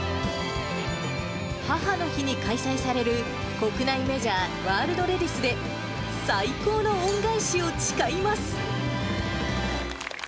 母の日に開催される国内メジャー、ワールドレディスで、最高の恩返しを誓います。